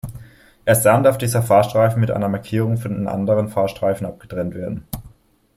Erst dann darf dieser Fahrstreifen mit einer Markierung von den anderen Fahrstreifen abgetrennt werden.